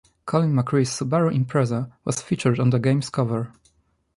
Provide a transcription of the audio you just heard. Colin McRae's Subaru Impreza was featured on the game's cover.